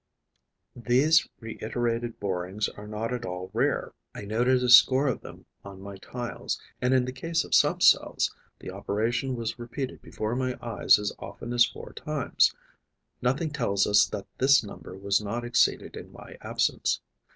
These reiterated borings are not at all rare: I noted a score of them on my tiles; and, in the case of some cells, the operation was repeated before my eyes as often as four times. Nothing tells us that this number was not exceeded in my absence.